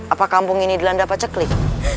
apa kampung ini dilanda apa ceklik